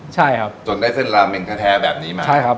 จนได้เส้นลาเมนแท้แท้แบบนี้มา